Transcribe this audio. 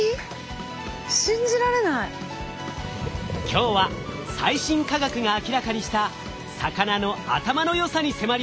今日は最新科学が明らかにした魚の頭の良さに迫ります。